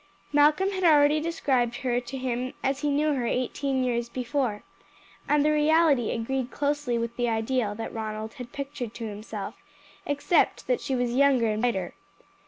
Malcolm had already described her to him as he knew her eighteen years before, and the reality agreed closely with the ideal that Ronald had pictured to himself, except that she was younger and brighter.